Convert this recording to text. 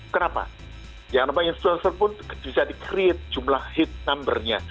kenapa yang namanya influencer pun bisa di create jumlah hit number nya